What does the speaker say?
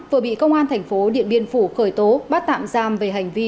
vừa bị công an thành phố điện biên phủ khởi tố bắt tạm giam về hành vi